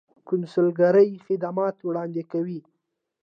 کونسلګرۍ خدمات وړاندې کوي